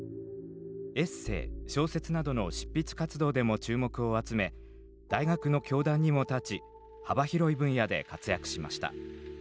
エッセー小説などの執筆活動でも注目を集め大学の教壇にも立ち幅広い分野で活躍しました。